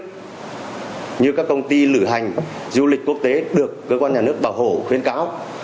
các tổ chức như các công ty lửa hành du lịch quốc tế được cơ quan nhà nước bảo hộ khuyên cáo